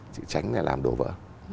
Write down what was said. chỉ tránh làm đồ vỡ